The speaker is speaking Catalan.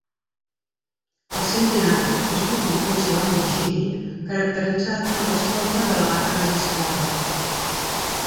El Centenario és l'últim cotxe Lamborghini caracteritzat amb les portes de la marca registrada.